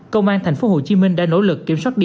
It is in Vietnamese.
công an thành phố hồ chí minh đã nỗ lực kiểm soát điện